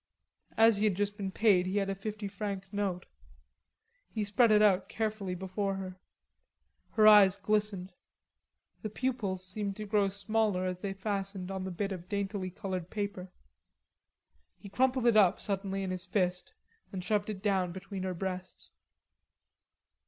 As he had just been paid he had a fifty franc note. He spread it out carefully before her. Her eyes glistened. The pupils seemed to grow smaller as they fastened on the bit of daintily colored paper. He crumpled it up suddenly in his fist and shoved it down between her breasts.